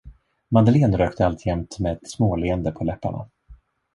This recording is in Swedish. Madeleine rökte alltjämt med ett småleende på läpparna.